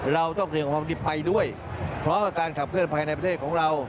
เราต้องเตรียมความผิดไปด้วยเพราะว่าการขับเคลื่อนภายในประเทศของเรา